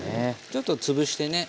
ちょっと潰してね